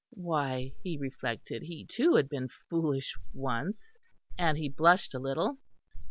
Why, he reflected, he too had been foolish once and he blushed a little.